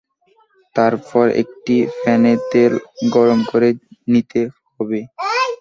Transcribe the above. তারপর একটি প্যানে তেল গরম করে নিতে হবে।